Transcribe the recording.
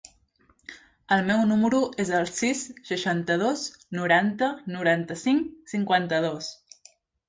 El meu número es el sis, seixanta-dos, noranta, noranta-cinc, cinquanta-dos.